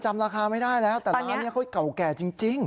ราคาไม่ได้แล้วแต่ร้านนี้เขาเก่าแก่จริง